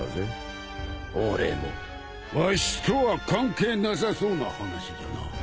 わしとは関係なさそうな話じゃな。